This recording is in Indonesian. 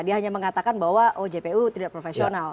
dia hanya mengatakan bahwa oh jpu tidak profesional